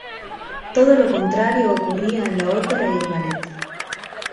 Todo lo contrario ocurría en la ópera y el ballet.